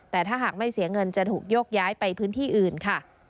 แต่ถ้าหากไม่เสียเงินจะถูกโยกย้ายไปพื้นที่อื่นค่ะ